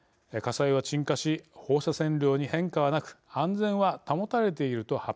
火災は鎮火し放射線量に変化はなく安全は保たれている」と